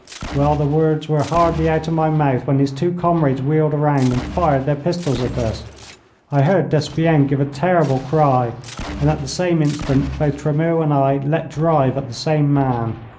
Well, the words were hardly out of my mouth when his two comrades wheeled round and fired their pistols at us. I heard Despienne give a terrible cry, and at the same instant both Tremeau and I let drive at the same man.